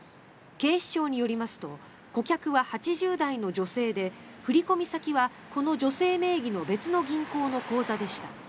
警視庁によりますと顧客は８０代の女性で振込先はこの女性名義の別の銀行の口座でした。